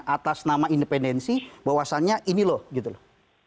atas nama independensi bahwasannya ini loh